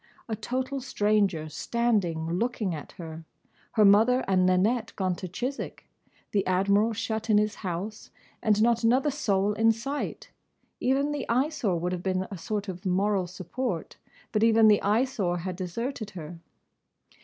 A total stranger standing looking at her; her mother and Nanette gone to Chiswick; the Admiral shut in his house; and not another soul in sight. Even the Eyesore would have been a sort of moral support, but even the Eyesore had deserted her.